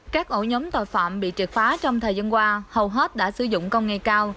các ổ nhóm tội phạm bị triệt phá trong thời gian qua hầu hết đã sử dụng công nghệ cao